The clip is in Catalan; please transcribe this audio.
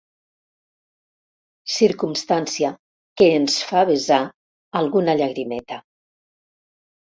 Circumstància que ens fa vessar alguna llagrimeta.